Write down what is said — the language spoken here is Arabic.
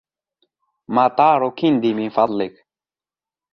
مطار كندي من فضلك.